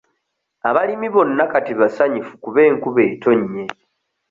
Abalimi bonna kati basanyufu kuba enkuba etonnye.